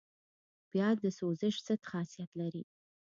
پیاز د سوزش ضد خاصیت لري